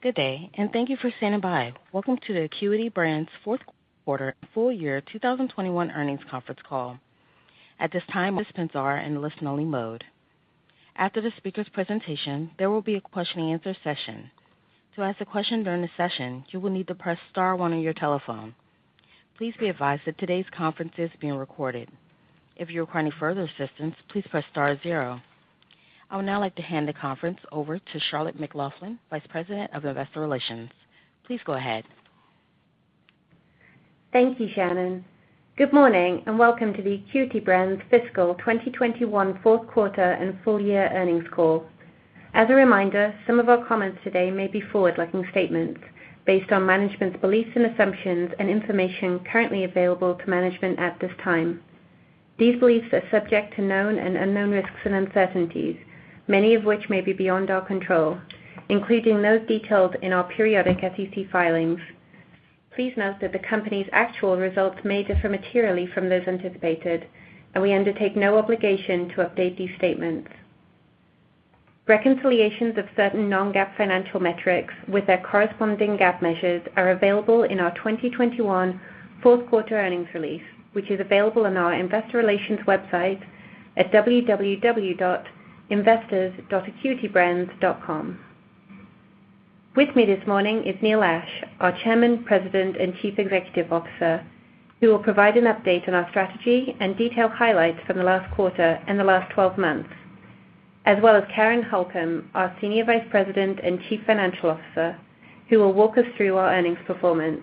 Good day, and thank you for standing by. Welcome to the Acuity Brands fourth quarter and full year 2021 earnings conference call. At this time, participants are in listen only mode. After the speaker's presentation, there will be a question and answer session. To ask a question during the session, you will need to press star one on your telephone. Please be advised that today's conference is being recorded. If you require any further assistance, please press star zero. I would now like to hand the conference over to Charlotte McLaughlin, Vice President of Investor Relations. Please go ahead. Thank you, Shannon. Good morning and welcome to the Acuity Brands fiscal 2021 fourth quarter and full year earnings call. As a reminder, some of our comments today may be forward-looking statements based on management's beliefs and assumptions and information currently available to management at this time. These beliefs are subject to known and unknown risks and uncertainties, many of which may be beyond our control, including those detailed in our periodic SEC filings. Please note that the company's actual results may differ materially from those anticipated, and we undertake no obligation to update these statements. Reconciliations of certain non-GAAP financial metrics with their corresponding GAAP measures are available in our 2021 fourth quarter earnings release, which is available on our investor relations website at www.investors.acuitybrands.com. With me this morning is Neil M. Ashe, our Chairman, President, and Chief Executive Officer, who will provide an update on our strategy and detail highlights from the last quarter and the last 12 months, as well as Karen Holcom, our Senior Vice President and Chief Financial Officer, who will walk us through our earnings performance.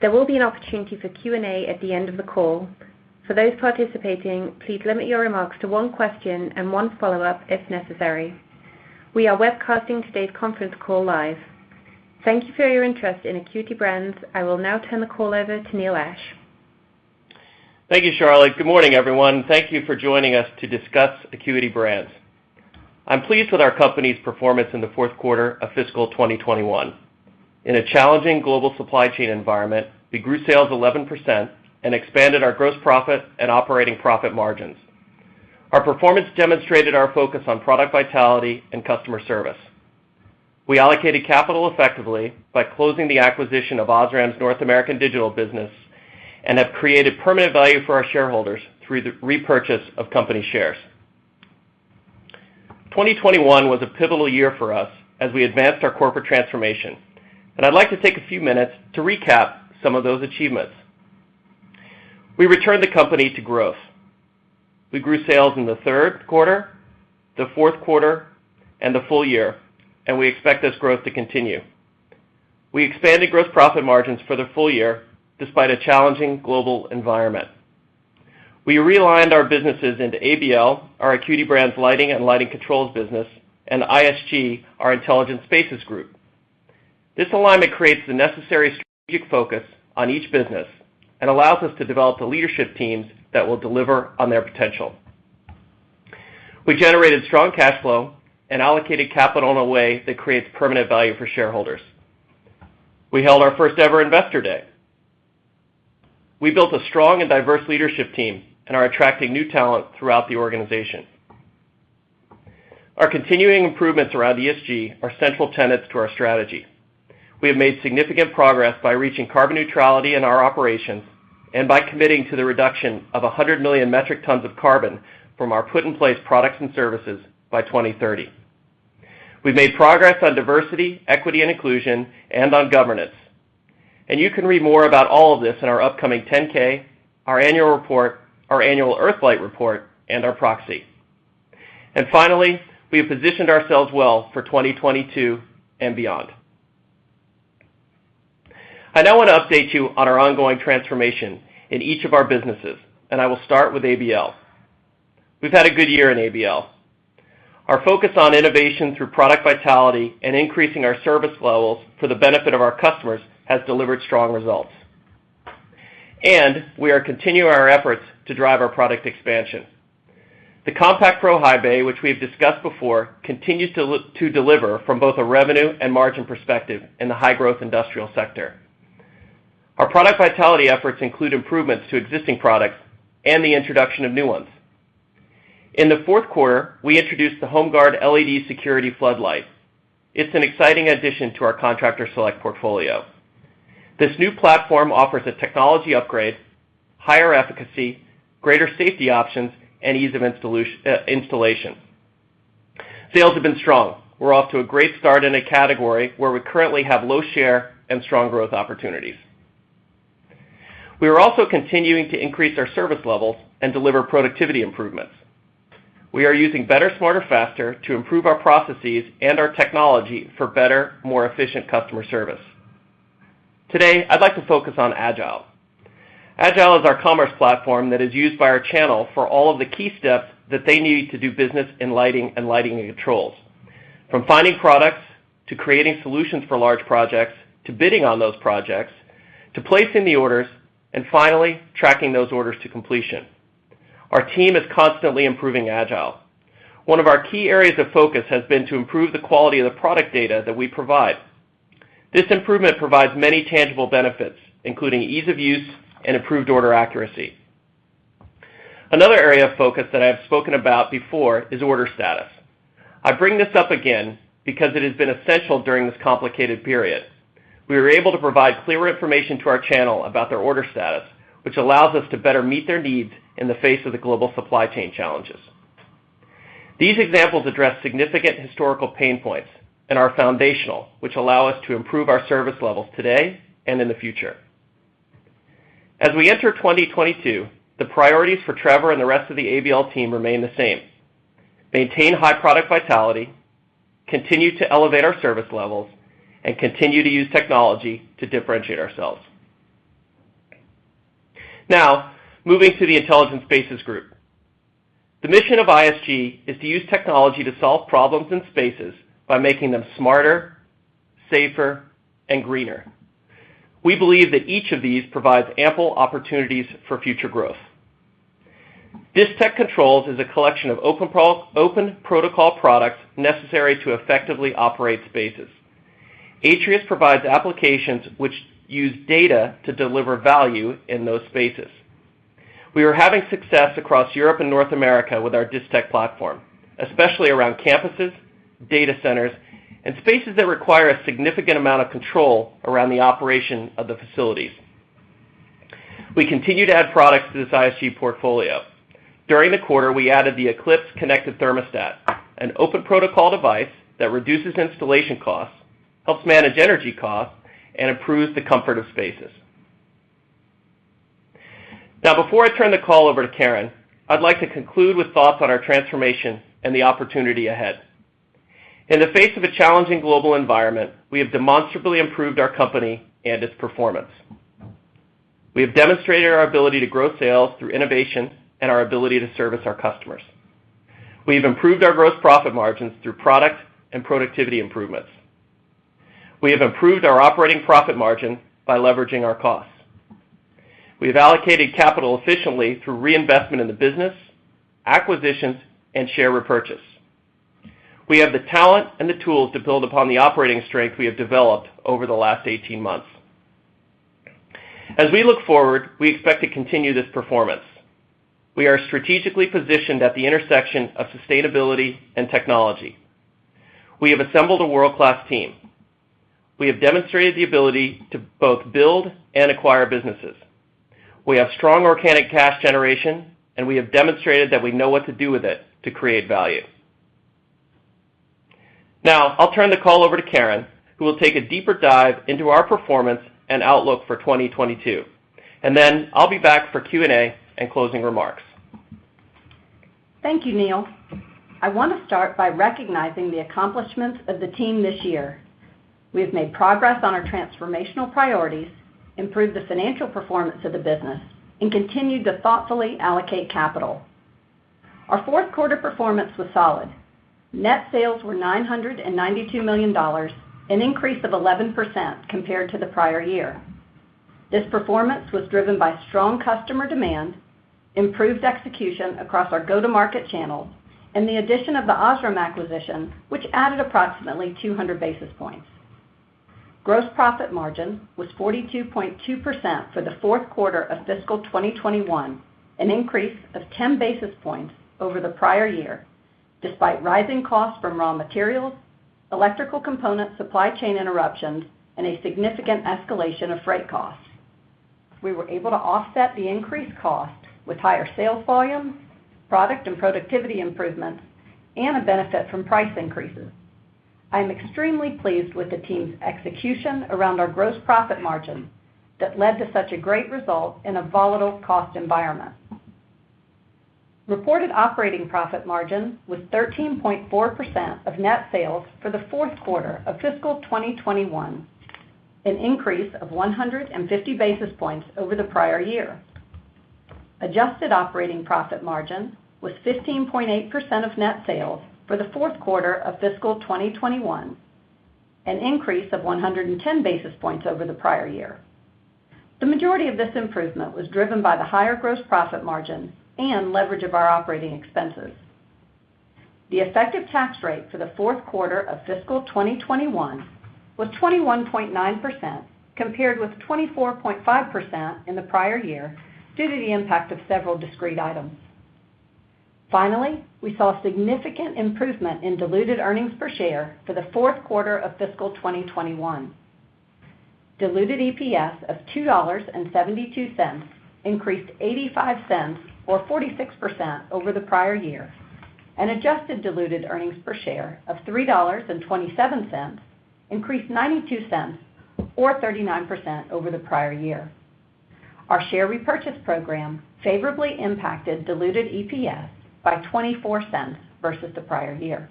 There will be an opportunity for Q&A at the end of the call. For those participating, please limit your remarks to one question and one follow-up if necessary. We are webcasting today's conference call live. Thank you for your interest in Acuity Brands. I will now turn the call over to Neil M. Ashe. Thank you, Charlotte. Good morning, everyone. Thank you for joining us to discuss Acuity Brands. I'm pleased with our company's performance in the fourth quarter of fiscal 2021. In a challenging global supply chain environment, we grew sales 11% and expanded our gross profit and operating profit margins. Our performance demonstrated our focus on product vitality and customer service. We allocated capital effectively by closing the acquisition of OSRAM's North American Digital Systems business and have created permanent value for our shareholders through the repurchase of company shares. 2021 was a pivotal year for us as we advanced our corporate transformation, and I'd like to take a few minutes to recap some of those achievements. We returned the company to growth. We grew sales in the third quarter, the fourth quarter, and the full year, and we expect this growth to continue. We expanded gross profit margins for the full year despite a challenging global environment. We realigned our businesses into ABL, our Acuity Brands Lighting and Lighting Controls business, and ISG, our Intelligent Spaces Group. This alignment creates the necessary strategic focus on each business and allows us to develop the leadership teams that will deliver on their potential. We generated strong cash flow and allocated capital in a way that creates permanent value for shareholders. We held our first-ever investor day. We built a strong and diverse leadership team and are attracting new talent throughout the organization. Our continuing improvements around ESG are central tenets to our strategy. We have made significant progress by reaching carbon neutrality in our operations and by committing to the reduction of 100 million metric tons of carbon from our put in place products and services by 2030. We've made progress on diversity, equity, and inclusion, and on governance. You can read more about all of this in our upcoming 10-K, our annual report, our annual EarthLIGHT report, and our proxy. Finally, we have positioned ourselves well for 2022 and beyond. I now want to update you on our ongoing transformation in each of our businesses, and I will start with ABL. We've had a good year in ABL. Our focus on innovation through product vitality and increasing our service levels for the benefit of our customers has delivered strong results. We are continuing our efforts to drive our product expansion. The Compact Pro High Bay, which we've discussed before, continues to deliver from both a revenue and margin perspective in the high-growth industrial sector. Our product vitality efforts include improvements to existing products and the introduction of new ones. In the fourth quarter, we introduced the HomeGuard LED security flood light. It's an exciting addition to our Contractor Select portfolio. This new platform offers a technology upgrade, higher efficacy, greater safety options, and ease of installation. Sales have been strong. We're off to a great start in a category where we currently have low share and strong growth opportunities. We are also continuing to increase our service levels and deliver productivity improvements. We are using better, smarter, faster to improve our processes and our technology for better, more efficient customer service. Today, I'd like to focus on Agile. Agile is our commerce platform that is used by our channel for all of the key steps that they need to do business in Lighting and Lighting Controls, from finding products to creating solutions for large projects, to bidding on those projects, to placing the orders, and finally, tracking those orders to completion. Our team is constantly improving Agile. One of our key areas of focus has been to improve the quality of the product data that we provide. This improvement provides many tangible benefits, including ease of use and improved order accuracy. Another area of focus that I have spoken about before is order status. I bring this up again because it has been essential during this complicated period. We were able to provide clearer information to our channel about their order status, which allows us to better meet their needs in the face of the global supply chain challenges. These examples address significant historical pain points and are foundational, which allow us to improve our service levels today and in the future. As we enter 2022, the priorities for Trevor and the rest of the ABL team remain the same: maintain high product vitality, continue to elevate our service levels, and continue to use technology to differentiate ourselves. Moving to the Intelligent Spaces Group. The mission of ISG is to use technology to solve problems in spaces by making them smarter, safer, and greener. We believe that each of these provides ample opportunities for future growth. Distech Controls is a collection of open protocol products necessary to effectively operate spaces. Atrius provides applications which use data to deliver value in those spaces. We are having success across Europe and North America with our Distech platform, especially around campuses, data centers, and spaces that require a significant amount of control around the operation of the facilities. We continue to add products to this ISG portfolio. During the quarter, we added the ECLYPSE Connected Thermostat, an open protocol device that reduces installation costs, helps manage energy costs, and improves the comfort of spaces. Before I turn the call over to Karen, I'd like to conclude with thoughts on our transformation and the opportunity ahead. In the face of a challenging global environment, we have demonstrably improved our company and its performance. We have demonstrated our ability to grow sales through innovation and our ability to service our customers. We've improved our gross profit margins through product and productivity improvements. We have improved our operating profit margin by leveraging our costs. We have allocated capital efficiently through reinvestment in the business, acquisitions, and share repurchase. We have the talent and the tools to build upon the operating strength we have developed over the last 18 months. As we look forward, we expect to continue this performance. We are strategically positioned at the intersection of sustainability and technology. We have assembled a world-class team. We have demonstrated the ability to both build and acquire businesses. We have strong organic cash generation, and we have demonstrated that we know what to do with it to create value. Now, I'll turn the call over to Karen, who will take a deeper dive into our performance and outlook for 2022, and then I'll be back for Q&A and closing remarks. Thank you, Neil. I want to start by recognizing the accomplishments of the team this year. We have made progress on our transformational priorities, improved the financial performance of the business, and continued to thoughtfully allocate capital. Our fourth quarter performance was solid. Net sales were $992 million, an increase of 11% compared to the prior year. This performance was driven by strong customer demand, improved execution across our go-to-market channels, and the addition of the OSRAM acquisition, which added approximately 200 basis points. Gross profit margin was 42.2% for the fourth quarter of fiscal 2021, an increase of 10 basis points over the prior year, despite rising costs from raw materials, electrical component supply chain interruptions, and a significant escalation of freight costs. We were able to offset the increased cost with higher sales volume, product and productivity improvements, and a benefit from price increases. I am extremely pleased with the team's execution around our gross profit margin that led to such a great result in a volatile cost environment. Reported operating profit margin was 13.4% of net sales for the fourth quarter of fiscal 2021, an increase of 150 basis points over the prior year. Adjusted operating profit margin was 15.8% of net sales for the fourth quarter of fiscal 2021, an increase of 110 basis points over the prior year. The majority of this improvement was driven by the higher gross profit margin and leverage of our operating expenses. The effective tax rate for the fourth quarter of fiscal 2021 was 21.9%, compared with 24.5% in the prior year due to the impact of several discrete items. Finally, we saw significant improvement in diluted earnings per share for the fourth quarter of fiscal 2021. Diluted EPS of $2.72 increased $0.85, or 46%, over the prior year, and adjusted diluted earnings per share of $3.27 increased $0.92, or 39%, over the prior year. Our share repurchase program favorably impacted diluted EPS by $0.24 versus the prior year.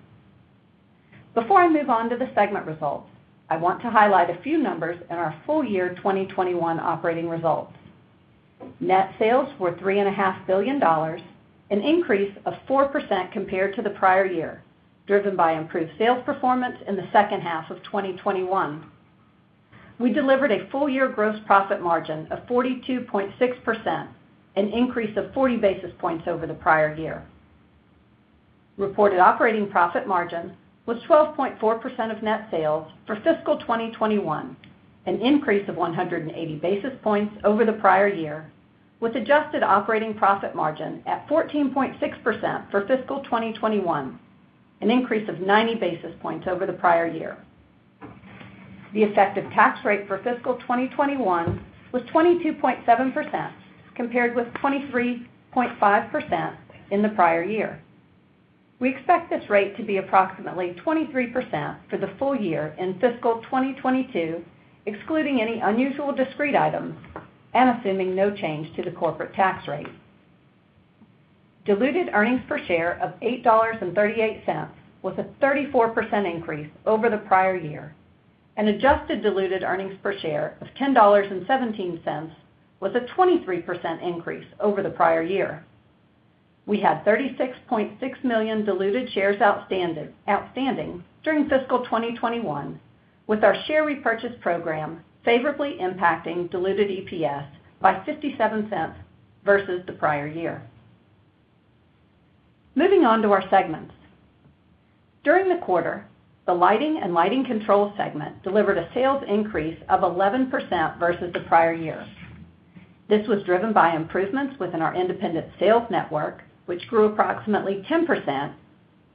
Before I move on to the segment results, I want to highlight a few numbers in our full year 2021 operating results. Net sales were $3.5 billion, an increase of 4% compared to the prior year, driven by improved sales performance in the second half of 2021. We delivered a full-year gross profit margin of 42.6%, an increase of 40 basis points over the prior year. Reported operating profit margin was 12.4% of net sales for fiscal 2021, an increase of 180 basis points over the prior year, with adjusted operating profit margin at 14.6% for fiscal 2021, an increase of 90 basis points over the prior year. The effective tax rate for fiscal 2021 was 22.7%, compared with 23.5% in the prior year. We expect this rate to be approximately 23% for the full year in fiscal 2022, excluding any unusual discrete items and assuming no change to the corporate tax rate. Diluted earnings per share of $8.38 was a 34% increase over the prior year, and adjusted diluted earnings per share of $10.17 was a 23% increase over the prior year. We had 36.6 million diluted shares outstanding during fiscal 2021, with our share repurchase program favorably impacting diluted EPS by $0.57 versus the prior year. Moving on to our segments. During the quarter, the Lighting and Lighting Controls segment delivered a sales increase of 11% versus the prior year. This was driven by improvements within our independent sales network, which grew approximately 10%,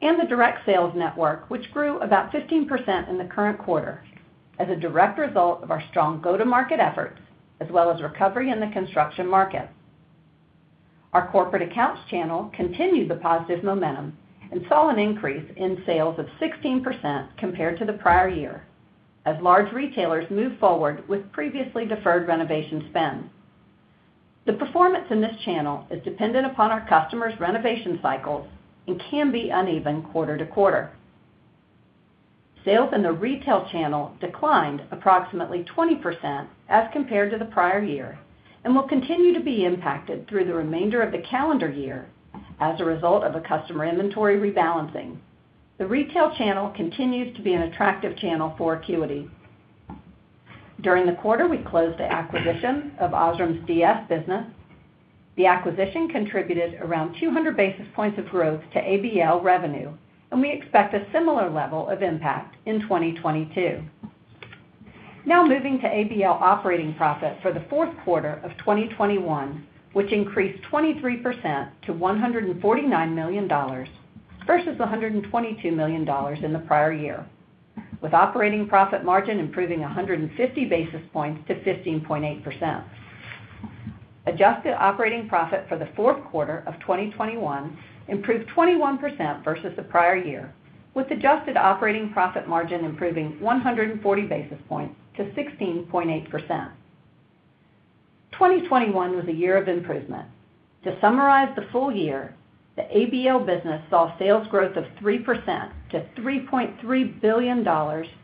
and the direct sales network, which grew about 15% in the current quarter as a direct result of our strong go-to-market efforts, as well as recovery in the construction market. Our corporate accounts channel continued the positive momentum and saw an increase in sales of 16% compared to the prior year as large retailers moved forward with previously deferred renovation spend. The performance in this channel is dependent upon our customers' renovation cycles and can be uneven quarter to quarter. Sales in the retail channel declined approximately 20% as compared to the prior year, and will continue to be impacted through the remainder of the calendar year as a result of a customer inventory rebalancing. The retail channel continues to be an attractive channel for Acuity. During the quarter, we closed the acquisition of OSRAM's DS business. The acquisition contributed around 200 basis points of growth to ABL revenue, and we expect a similar level of impact in 2022. Now moving to ABL operating profit for the fourth quarter of 2021, which increased 23% to $149 million versus $122 million in the prior year, with operating profit margin improving 150 basis points to 15.8%. Adjusted operating profit for the fourth quarter of 2021 improved 21% versus the prior year, with adjusted operating profit margin improving 140 basis points to 16.8%. 2021 was a year of improvement. To summarize the full year, the ABL business saw sales growth of 3% to $3.3 billion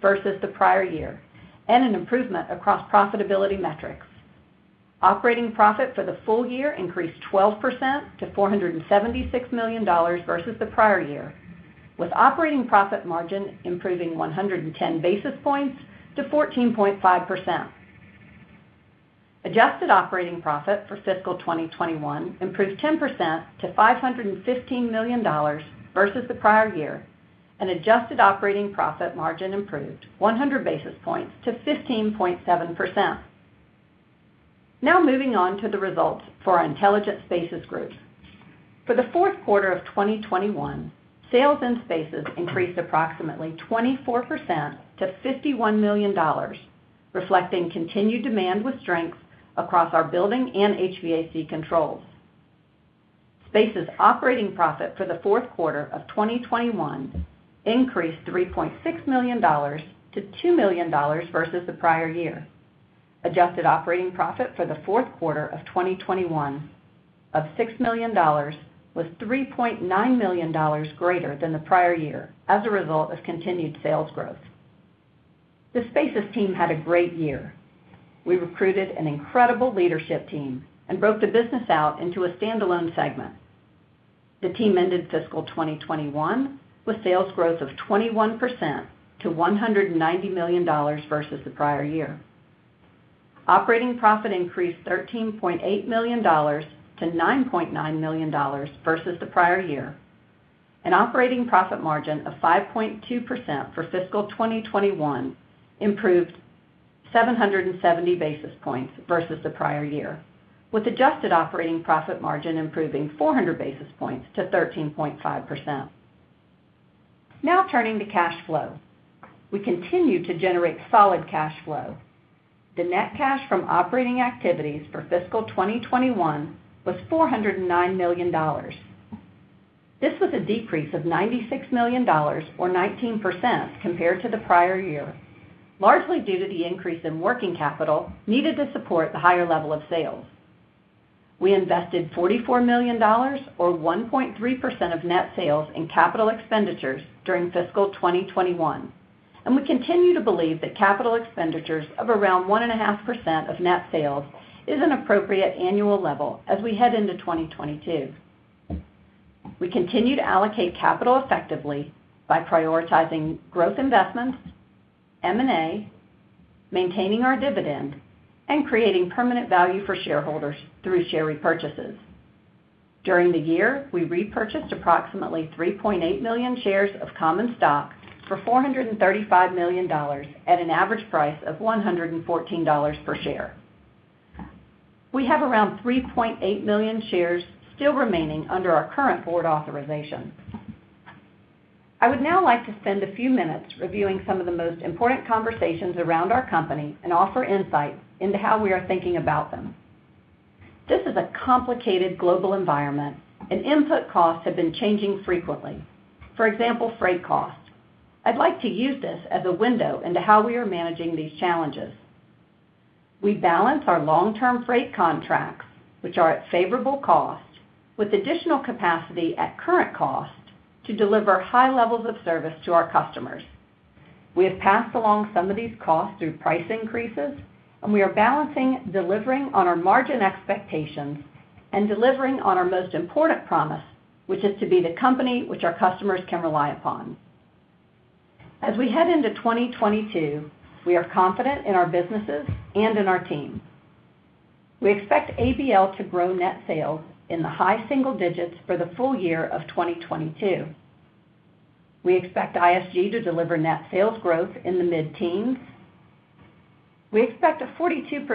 versus the prior year, and an improvement across profitability metrics. Operating profit for the full year increased 12% to $476 million versus the prior year, with operating profit margin improving 110 basis points to 14.5%. Adjusted operating profit for fiscal 2021 improved 10% to $515 million versus the prior year, and adjusted operating profit margin improved 100 basis points to 15.7%. Moving on to the results for our Intelligent Spaces Group. For the fourth quarter of 2021, sales in Spaces increased approximately 24% to $51 million, reflecting continued demand with strength across our building and HVAC controls. Spaces operating profit for the fourth quarter of 2021 increased $3.6 million to $2 million versus the prior year. Adjusted operating profit for the fourth quarter of 2021 of $6 million was $3.9 million greater than the prior year as a result of continued sales growth. The Spaces team had a great year. We recruited an incredible leadership team and broke the business out into a standalone segment. The team ended fiscal 2021 with sales growth of 21% to $190 million versus the prior year. Operating profit increased $13.8 million-$9.9 million versus the prior year, and operating profit margin of 5.2% for fiscal 2021 improved 770 basis points versus the prior year, with adjusted operating profit margin improving 400 basis points to 13.5%. Turning to cash flow. We continue to generate solid cash flow. The net cash from operating activities for fiscal 2021 was $409 million. This was a decrease of $96 million, or 19%, compared to the prior year, largely due to the increase in working capital needed to support the higher level of sales. We invested $44 million, or 1.3% of net sales, in capital expenditures during fiscal 2021. We continue to believe that capital expenditures of around 1.5% of net sales is an appropriate annual level as we head into 2022. We continue to allocate capital effectively by prioritizing growth investments, M&A, maintaining our dividend, and creating permanent value for shareholders through share repurchases. During the year, we repurchased approximately 3.8 million shares of common stock for $435 million at an average price of $114 per share. We have around 3.8 million shares still remaining under our current board authorization. I would now like to spend a few minutes reviewing some of the most important conversations around our company and offer insight into how we are thinking about them. This is a complicated global environment, and input costs have been changing frequently. For example, freight costs. I'd like to use this as a window into how we are managing these challenges. We balance our long-term freight contracts, which are at favorable cost, with additional capacity at current cost to deliver high levels of service to our customers. We have passed along some of these costs through price increases, and we are balancing delivering on our margin expectations and delivering on our most important promise, which is to be the company which our customers can rely upon. As we head into 2022, we are confident in our businesses and in our team. We expect ABL to grow net sales in the high single digits for the full year of 2022. We expect ISG to deliver net sales growth in the mid-teens. We expect a 42%+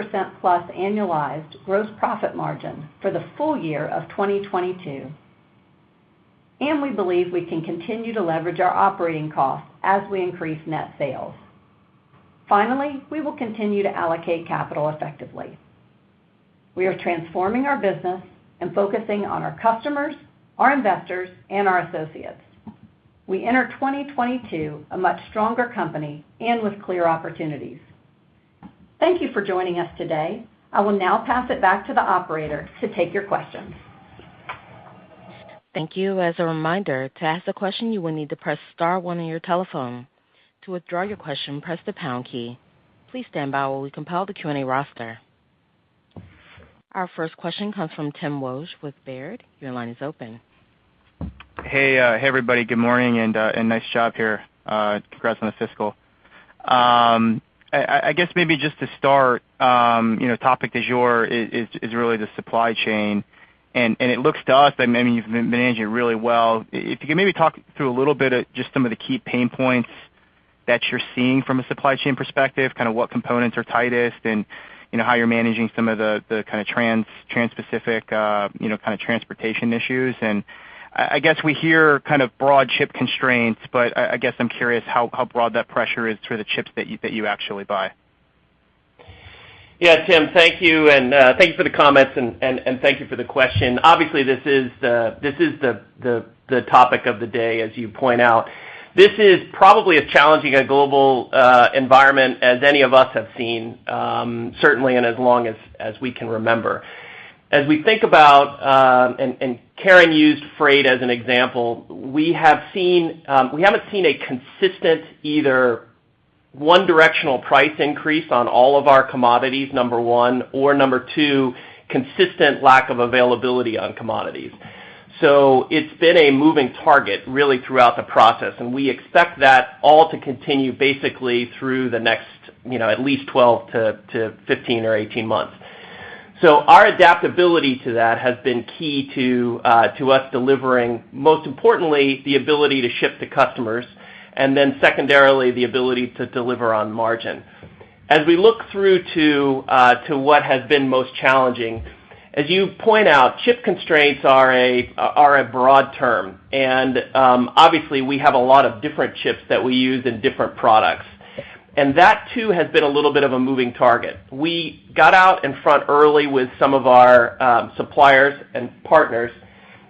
annualized gross profit margin for the full year of 2022. We believe we can continue to leverage our operating costs as we increase net sales. Finally, we will continue to allocate capital effectively. We are transforming our business and focusing on our customers, our investors and our associates. We enter 2022 a much stronger company and with clear opportunities. Thank you for joining us today. I will now pass it back to the operator to take your questions. Thank you. As a reminder, to ask a question, you will need to press star one on your telephone. To withdraw your question, press the pound key. Please stand by while we compile the Q&A roster. Our first question comes from Tim Wojs with Baird. Your line is open. Hey, everybody. Good morning and nice job here. Congrats on the fiscal. I guess maybe just to start, topic du jour is really the supply chain. It looks to us that maybe you've been managing it really well. If you could maybe talk through a little bit, just some of the key pain points that you're seeing from a supply chain perspective, kind of what components are tightest and how you're managing some of the kind of trans-Pacific kind of transportation issues. I guess we hear kind of broad chip constraints, I guess I'm curious how broad that pressure is to the chips that you actually buy. Yeah, Tim Wojs, thank you, and thanks for the comments and thank you for the question. This is probably as challenging a global environment as any of us have seen, certainly in as long as we can remember. As we think about, and Karen J. Holcom used freight as an example, we haven't seen a consistent either one directional price increase on all of our commodities, number one, or number two, consistent lack of availability on commodities. It's been a moving target, really, throughout the process, and we expect that all to continue basically through the next at least 12-15 months or 18 months. Our adaptability to that has been key to us delivering, most importantly, the ability to ship to customers, and then secondarily, the ability to deliver on margin. As we look through to what has been most challenging, as you point out, chip constraints are a broad term, and obviously, we have a lot of different chips that we use in different products, and that too, has been a little bit of a moving target. We got out in front early with some of our suppliers and partners,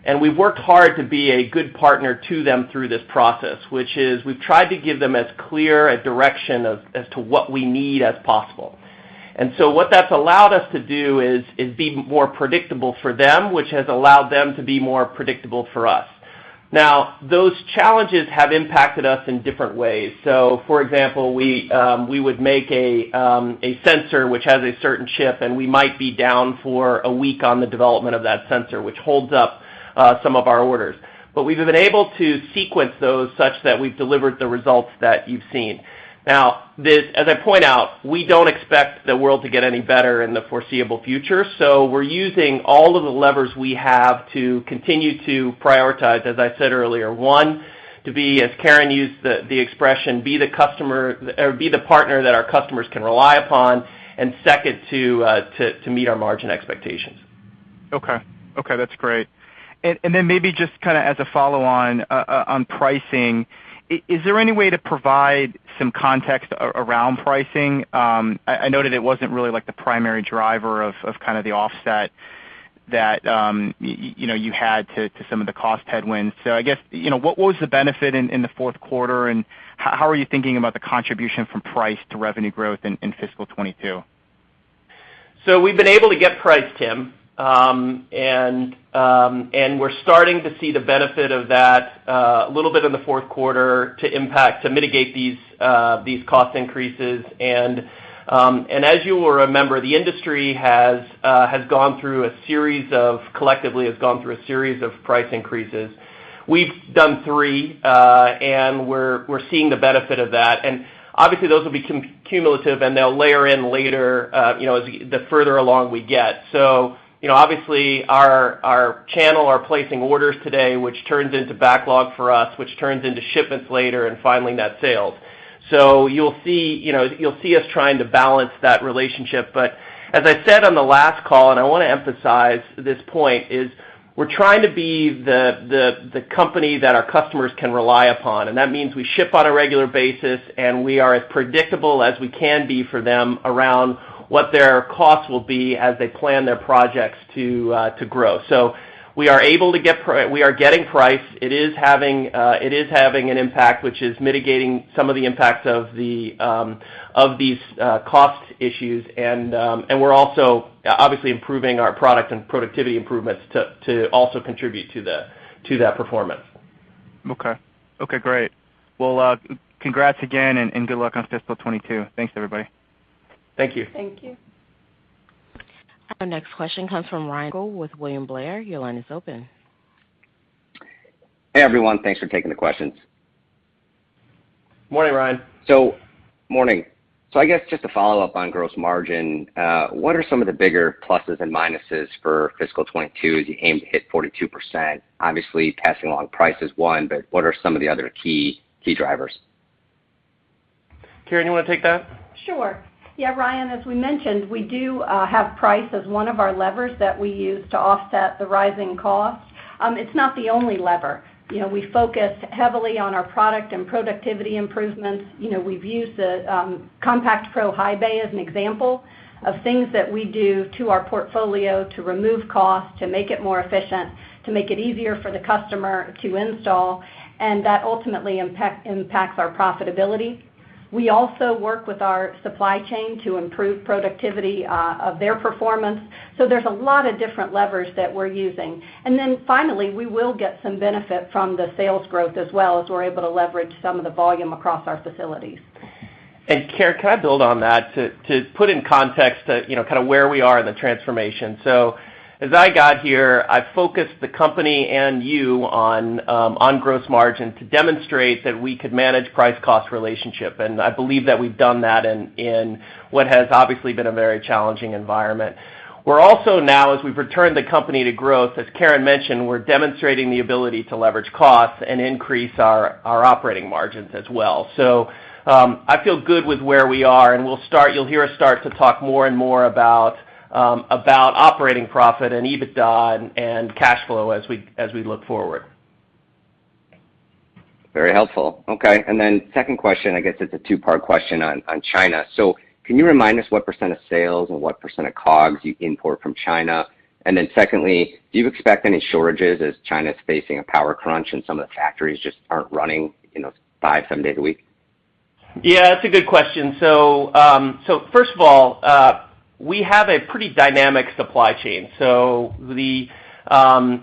and we've worked hard to be a good partner to them through this process, which is we've tried to give them as clear a direction as to what we need as possible. What that's allowed us to do is be more predictable for them, which has allowed them to be more predictable for us. Those challenges have impacted us in different ways. For example, we would make a sensor which has a certain chip, and we might be down for a week on the development of that sensor, which holds up some of our orders. We've been able to sequence those such that we've delivered the results that you've seen. Now, as I point out, we don't expect the world to get any better in the foreseeable future. We're using all of the levers we have to continue to prioritize, as I said earlier, one, to be, as Karen used the expression, be the partner that our customers can rely upon, and second, to meet our margin expectations. Okay. That's great. Maybe just kind of as a follow-on, on pricing, is there any way to provide some context around pricing? I noted it wasn't really the primary driver of kind of the offset that you had to some of the cost headwinds. I guess, what was the benefit in the fourth quarter, and how are you thinking about the contribution from price to revenue growth in fiscal 2022? We've been able to get price, Tim, and we're starting to see the benefit of that a little bit in the fourth quarter to mitigate these cost increases. As you will remember, the industry collectively has gone through a series of price increases. We've done three, and we're seeing the benefit of that. Obviously those will be cumulative, and they'll layer in later, the further along we get. Obviously, our channel are placing orders today, which turns into backlog for us, which turns into shipments later and finally net sales. You'll see us trying to balance that relationship. As I said on the last call, and I want to emphasize this point is, we're trying to be the company that our customers can rely upon, and that means we ship on a regular basis, and we are as predictable as we can be for them around what their costs will be as they plan their projects to grow. We are getting price. It is having an impact, which is mitigating some of the impacts of these cost issues. We're also, obviously, improving our product and productivity improvements to also contribute to that performance. Okay, great. Well, congrats again, good luck on fiscal 2022. Thanks, everybody. Thank you. Thank you. Our next question comes from Ryan Merkel with William Blair. Your line is open. Hey, everyone. Thanks for taking the questions. Morning, Ryan. Morning. I guess just to follow up on gross margin, what are some of the bigger pluses and minuses for fiscal 2022 as you aim to hit 42%? Obviously, passing along price is one, but what are some of the other key drivers? Karen, you want to take that? Sure. Yeah, Ryan, as we mentioned, we do have price as one of our levers that we use to offset the rising costs. It's not the only lever. We focus heavily on our product and productivity improvements. We've used the Compact Pro High Bay as an example of things that we do to our portfolio to remove cost, to make it more efficient, to make it easier for the customer to install, and that ultimately impacts our profitability. We also work with our supply chain to improve productivity of their performance. There's a lot of different levers that we're using. Finally, we will get some benefit from the sales growth as well, as we're able to leverage some of the volume across our facilities. Karen, can I build on that to put in context kind of where we are in the transformation? As I got here, I focused the company and you on gross margin to demonstrate that we could manage price-cost relationship, and I believe that we've done that in what has obviously been a very challenging environment. We're also now, as we've returned the company to growth, as Karen mentioned, we're demonstrating the ability to leverage costs and increase our operating margins as well. I feel good with where we are, and you'll hear us start to talk more and more about operating profit and EBITDA and cash flow as we look forward. Very helpful. Okay, second question, I guess it's a two-part question on China. Can you remind us what percent of sales and what percent of COGS you import from China? Secondly, do you expect any shortages as China's facing a power crunch and some of the factories just aren't running five, seven days a week? Yeah, that's a good question. First of all, we have a pretty dynamic supply chain.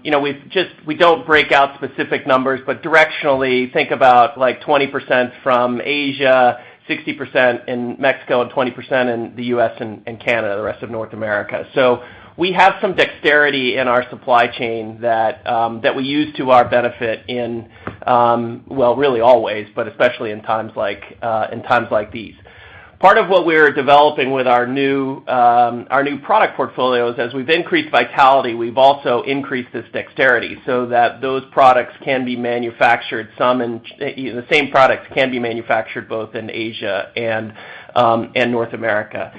We don't break out specific numbers, but directionally, think about 20% from Asia, 60% in Mexico, and 20% in the U.S. and Canada, the rest of North America. We have some dexterity in our supply chain that we use to our benefit in, well, really always, but especially in times like these. Part of what we're developing with our new product portfolios, as we've increased vitality, we've also increased this dexterity so that those products can be manufactured, the same products can be manufactured both in Asia and North America.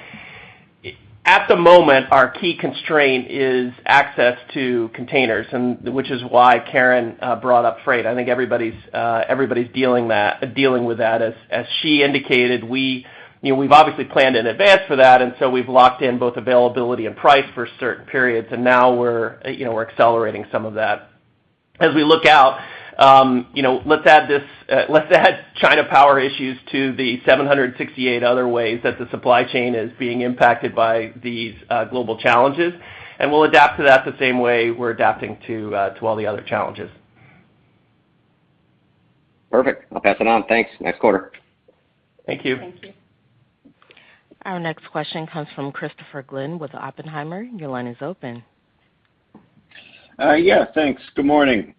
At the moment, our key constraint is access to containers, which is why Karen brought up freight. I think everybody's dealing with that. As she indicated, we've obviously planned in advance for that, and so we've locked in both availability and price for certain periods, and now we're accelerating some of that. As we look out, let's add China power issues to the 768 other ways that the supply chain is being impacted by these global challenges, and we'll adapt to that the same way we're adapting to all the other challenges. Perfect. I'll pass it on. Thanks. Next quarter. Thank you. Thank you. Our next question comes from Christopher Glynn with Oppenheimer. Your line is open. Thanks. Good morning.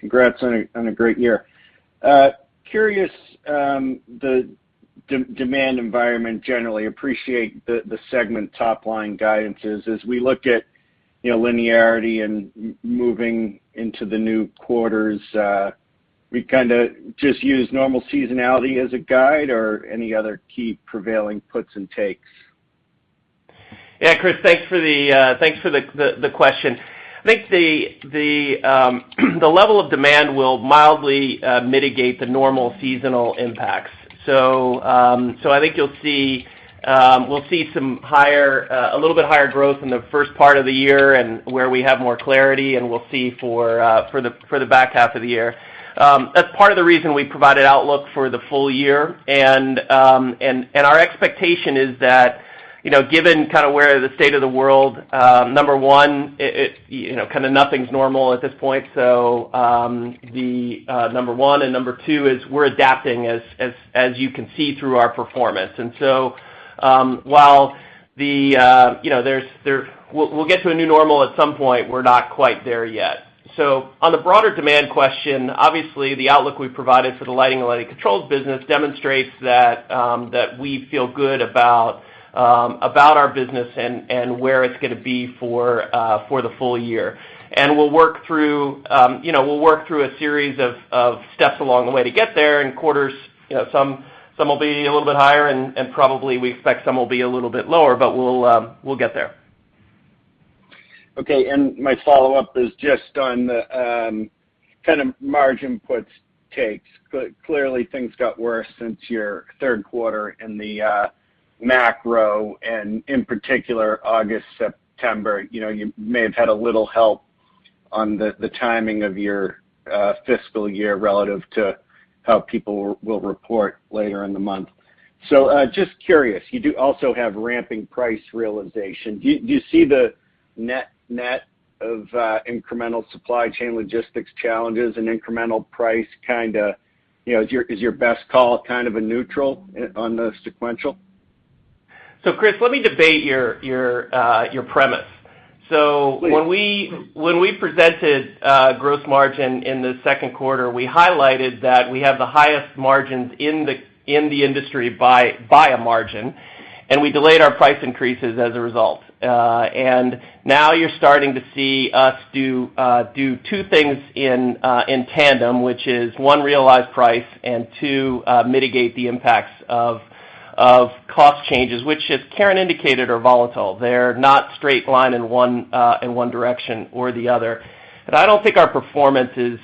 Congrats on a great year. Curious, the demand environment generally, appreciate the segment top-line guidances. As we look at linearity and moving into the new quarters, we kind of just use normal seasonality as a guide or any other key prevailing puts and takes? Yeah, Christopher, thanks for the question. I think the level of demand will mildly mitigate the normal seasonal impacts. I think we'll see a little bit higher growth in the first part of the year and where we have more clarity, and we'll see for the back half of the year. That's part of the reason we provided outlook for the full year, and our expectation is that given kind of where the state of the world, number one, kind of nothing's normal at this point, so number one, and number two is we're adapting, as you can see through our performance. While we'll get to a new normal at some point, we're not quite there yet. On the broader demand question, obviously the outlook we've provided for the Lighting and Lighting Controls business demonstrates that we feel good about our business and where it's going to be for the full year. We'll work through a series of steps along the way to get there. Quarters, some will be a little bit higher, and probably we expect some will be a little bit lower, but we'll get there. Okay, my follow-up is just on the kind of margin puts takes. Clearly things got worse since your third quarter in the macro and in particular August, September. You may have had a little help on the timing of your fiscal year relative to how people will report later in the month. Just curious, you do also have ramping price realization. Do you see the net-net of incremental supply chain logistics challenges and incremental price is your best call kind of a neutral on the sequential? Chris, let me debate your premise. Please. When we presented gross margin in the second quarter, we highlighted that we have the highest margins in the industry by a margin, and we delayed our price increases as a result. Now you're starting to see us do two things in tandem, which is, one, realize price, and two, mitigate the impacts of cost changes, which, as Karen indicated, are volatile. They're not straight line in one direction or the other. I don't think our performance is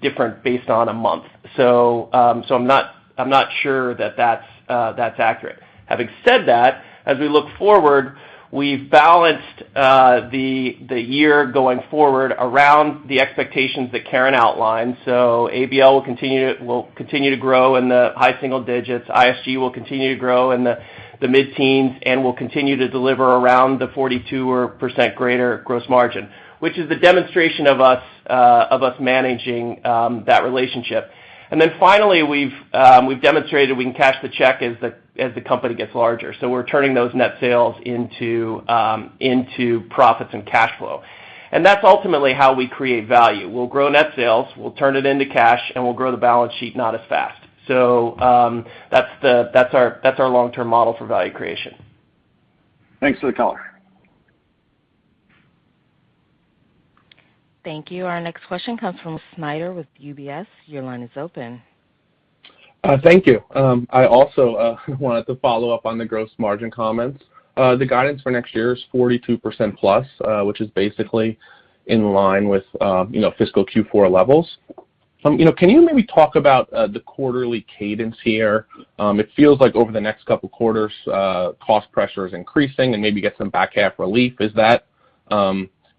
different based on a month. I'm not sure that that's accurate. Having said that, as we look forward, we've balanced the year going forward around the expectations that Karen outlined. ABL will continue to grow in the high single digits, ISG will continue to grow in the mid-teens, and we'll continue to deliver around the 42% or greater gross margin, which is the demonstration of us managing that relationship. Finally, we've demonstrated we can cash the check as the company gets larger. We're turning those net sales into profits and cash flow. That's ultimately how we create value. We'll grow net sales, we'll turn it into cash, and we'll grow the balance sheet not as fast. That's our long-term model for value creation. Thanks for the color. Thank you. Our next question comes from Christopher Snyder with UBS. Your line is open. Thank you. I also wanted to follow up on the gross margin comments. The guidance for next year is 42%+, which is basically in line with fiscal Q4 levels. Can you maybe talk about the quarterly cadence here? It feels like over the next couple of quarters, cost pressure is increasing and maybe get some back-half relief.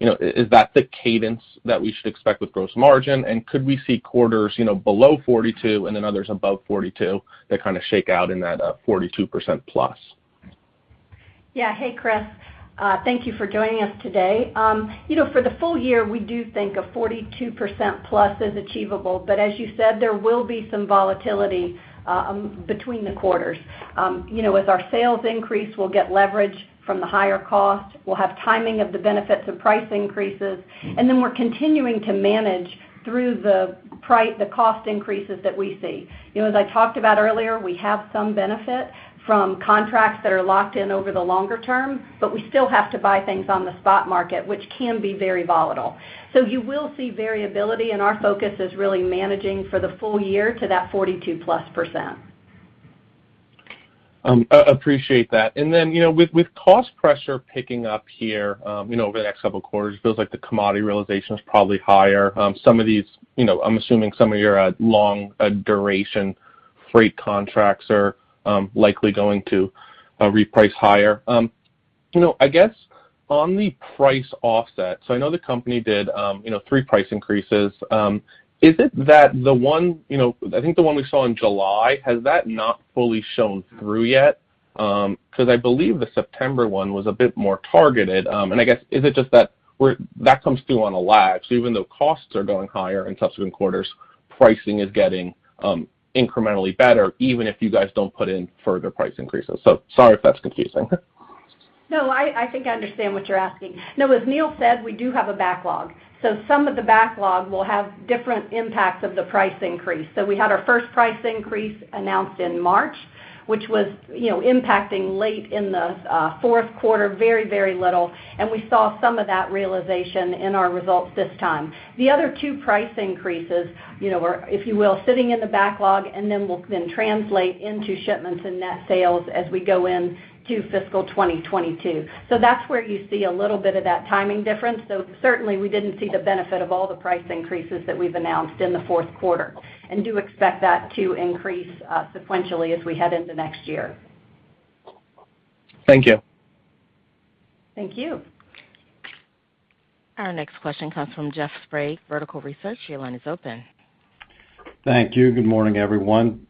Is that the cadence that we should expect with gross margin, and could we see quarters below 42% and then others above 42% that kind of shake out in that 42%+? Yeah. Hey, Chris. Thank you for joining us today. For the full year, we do think a 42%+ is achievable, but as you said, there will be some volatility between the quarters. As our sales increase, we'll get leverage from the higher cost, we'll have timing of the benefits of price increases, and then we're continuing to manage through the cost increases that we see. As I talked about earlier, we have some benefit from contracts that are locked in over the longer term, but we still have to buy things on the spot market, which can be very volatile. You will see variability, and our focus is really managing for the full year to that 42+%. Appreciate that. With cost pressure picking up here over the next couple of quarters, feels like the commodity realization is probably higher. I'm assuming some of your long duration freight contracts are likely going to reprice higher. I guess on the price offset, I know the company did three price increases. I think the one we saw in July, has that not fully shown through yet? I believe the September one was a bit more targeted, and I guess, is it just that that comes through on a lag, so even though costs are going higher in subsequent quarters, pricing is getting incrementally better, even if you guys don't put in further price increases? Sorry if that's confusing. No, I think I understand what you're asking. As Neil said, we do have a backlog. Some of the backlog will have different impacts of the price increase. We had our first price increase announced in March, which was impacting late in the fourth quarter very, very little, and we saw some of that realization in our results this time. The other two price increases, if you will, sitting in the backlog and then will translate into shipments and net sales as we go into fiscal 2022. That's where you see a little bit of that timing difference, though certainly we didn't see the benefit of all the price increases that we've announced in the fourth quarter and do expect that to increase sequentially as we head into next year. Thank you. Thank you. Our next question comes from Jeffrey T. Sprague, Vertical Research Partners. Your line is open. Thank you. Good morning, everyone.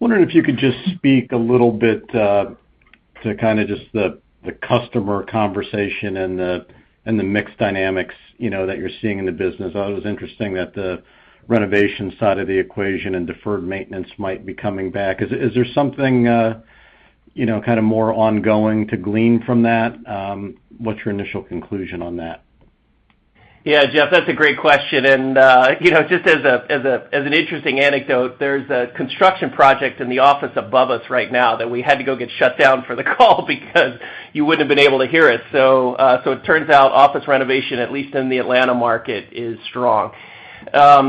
I'm wondering if you could just speak a little bit to kind of just the customer conversation and the mix dynamics that you're seeing in the business. I thought it was interesting that the renovation side of the equation and deferred maintenance might be coming back. Is there something more ongoing to glean from that? What's your initial conclusion on that? Yeah, Jeff, that's a great question, and just as an interesting anecdote, there's a construction project in the office above us right now that we had to go get shut down for the call because you wouldn't have been able to hear us. It turns out office renovation, at least in the Atlanta market, is strong. I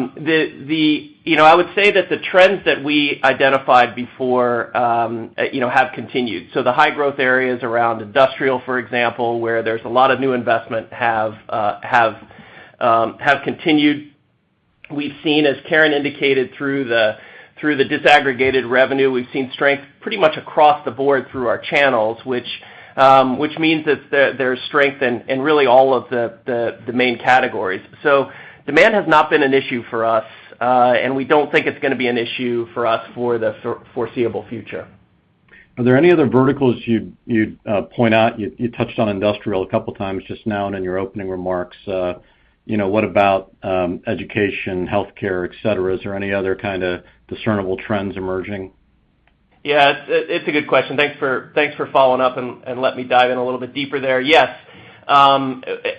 would say that the trends that we identified before have continued. The high growth areas around industrial, for example, where there's a lot of new investment, have continued. We've seen, as Karen indicated through the disaggregated revenue, we've seen strength pretty much across the board through our channels, which means that there's strength in really all of the main categories. Demand has not been an issue for us, and we don't think it's going to be an issue for us for the foreseeable future. Are there any other verticals you'd point out? You touched on industrial a couple of times just now and in your opening remarks. What about education, healthcare, et cetera? Is there any other kind of discernible trends emerging? It's a good question. Thanks for following up and let me dive in a little bit deeper there.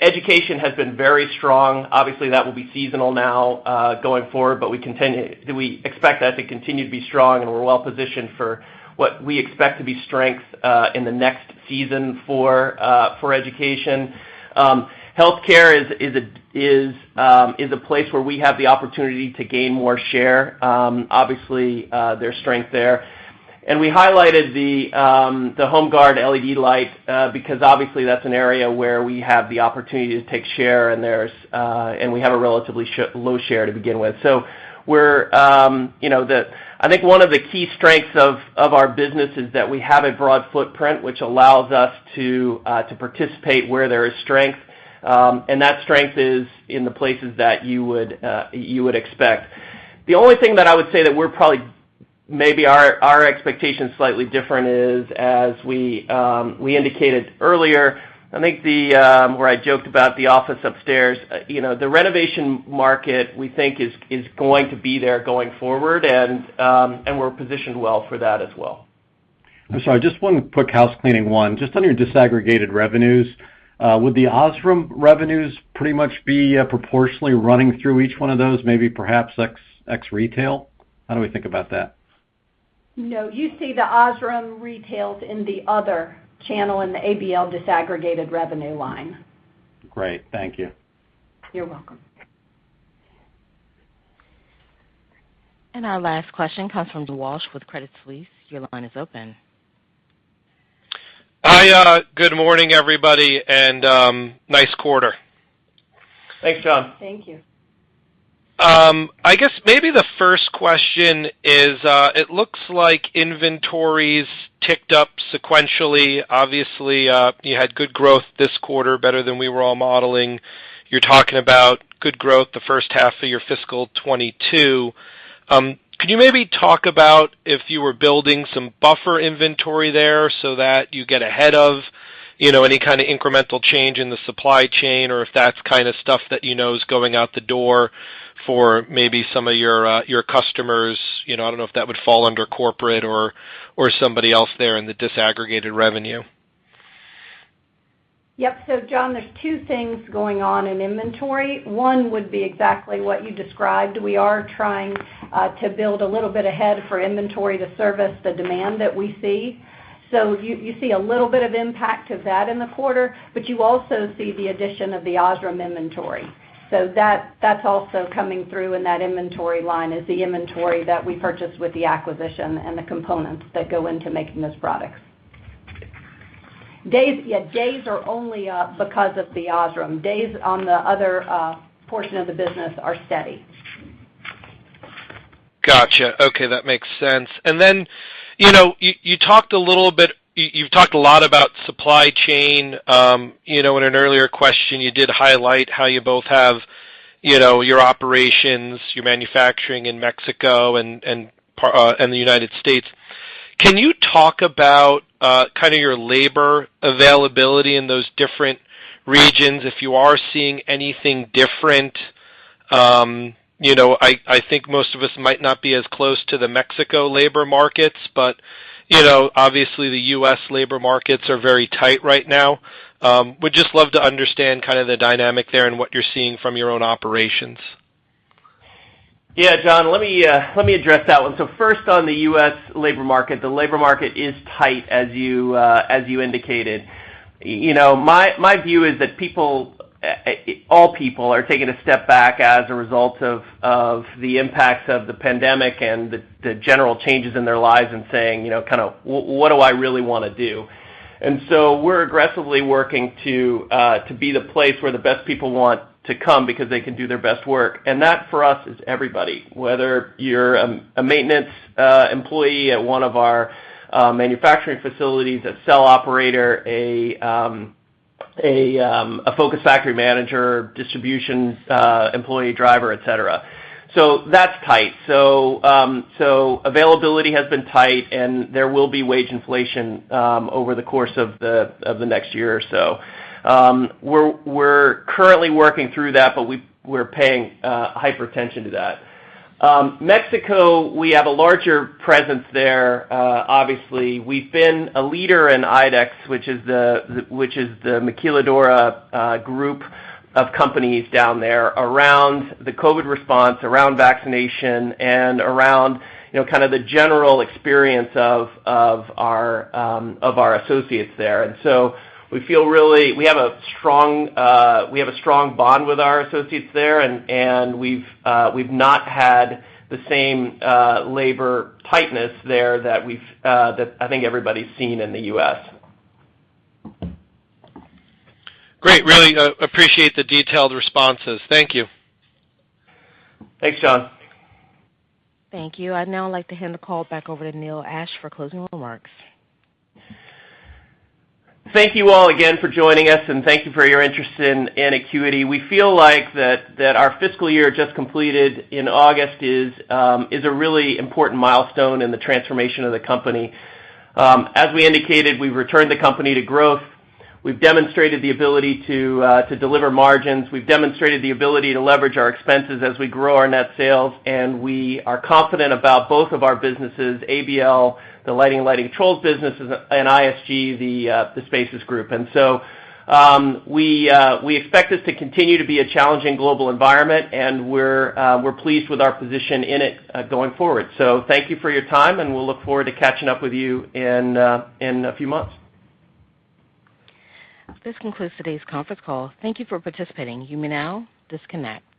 Education has been very strong. Obviously, that will be seasonal now, going forward, but we expect that to continue to be strong, and we're well-positioned for what we expect to be strength, in the next season for education. Healthcare is a place where we have the opportunity to gain more share. Obviously, there's strength there. We highlighted the HomeGuard LED light, because obviously that's an area where we have the opportunity to take share, and we have a relatively low share to begin with. I think one of the key strengths of our business is that we have a broad footprint, which allows us to participate where there is strength, and that strength is in the places that you would expect. The only thing that I would say that maybe our expectation's slightly different is, as we indicated earlier, where I joked about the office upstairs. The renovation market, we think, is going to be there going forward, and we're positioned well for that as well. I'm sorry, just one quick housecleaning one. On your disaggregated revenues, would the OSRAM revenues pretty much be proportionally running through each one of those, maybe perhaps ex retail? How do we think about that? No, you see the OSRAM retails in the other channel in the ABL disaggregated revenue line. Great. Thank you. You're welcome. Our last question comes from John Walsh with Credit Suisse. Your line is open. Hi. Good morning, everybody, and nice quarter. Thanks, John. Thank you. I guess maybe the first question is, it looks like inventories ticked up sequentially. Obviously, you had good growth this quarter, better than we were all modeling. You're talking about good growth the first half of your fiscal 2022. Could you maybe talk about if you were building some buffer inventory there so that you get ahead of any kind of incremental change in the supply chain, or if that's kind of stuff that you know is going out the door for maybe some of your customers? I don't know if that would fall under corporate or somebody else there in the disaggregated revenue. Yep. John, there's two things going on in inventory. One would be exactly what you described. We are trying to build a little bit ahead for inventory to service the demand that we see. You see a little bit of impact of that in the quarter, but you also see the addition of the OSRAM inventory. That's also coming through in that inventory line is the inventory that we purchased with the acquisition and the components that go into making those products. Days are only up because of the OSRAM. Days on the other portion of the business are steady. Got you. Okay, that makes sense. You've talked a lot about supply chain. In an earlier question, you did highlight how you both have your operations, your manufacturing in Mexico and the United States. Can you talk about kind of your labor availability in those different regions, if you are seeing anything different? I think most of us might not be as close to the Mexico labor markets, but obviously the U.S. labor markets are very tight right now. Would just love to understand kind of the dynamic there and what you're seeing from your own operations. Yeah, John, let me address that one. First, on the U.S. labor market, the labor market is tight, as you indicated. My view is that all people are taking a step back as a result of the impacts of the pandemic and the general changes in their lives and saying, kind of, "What do I really want to do?" We're aggressively working to be the place where the best people want to come because they can do their best work. That, for us, is everybody, whether you're a maintenance employee at one of our manufacturing facilities, a cell operator, a focus factory manager, distribution employee, driver, et cetera. That's tight. Availability has been tight, and there will be wage inflation over the course of the next year or so. We're currently working through that, but we're paying hyper attention to that. Mexico, we have a larger presence there obviously. We've been a leader in INDEX, which is the Maquiladora group of companies down there around the COVID response, around vaccination, and around the general experience of our associates there. We feel we have a strong bond with our associates there, and we've not had the same labor tightness there that I think everybody's seen in the U.S. Great. Really appreciate the detailed responses. Thank you. Thanks, John. Thank you. I'd now like to hand the call back over to Neil M. Ashe for closing remarks. Thank you all again for joining us, and thank you for your interest in Acuity. We feel like that our fiscal year just completed in August is a really important milestone in the transformation of the company. As we indicated, we've returned the company to growth. We've demonstrated the ability to deliver margins. We've demonstrated the ability to leverage our expenses as we grow our net sales, and we are confident about both of our businesses, ABL, the Lighting and Lighting Controls businesses, and ISG, the Spaces Group. We expect this to continue to be a challenging global environment, and we're pleased with our position in it going forward. Thank you for your time, and we'll look forward to catching up with you in a few months. This concludes today's conference call. Thank you for participating. You may now disconnect.